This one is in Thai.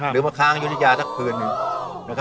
หรือมาค้างยุธยาสักคืนหนึ่ง